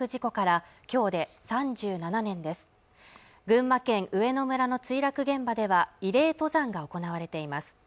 群馬県上野村の墜落現場では慰霊登山が行われています